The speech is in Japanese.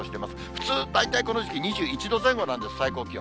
普通、大体この時期２１度前後なんです、最高気温。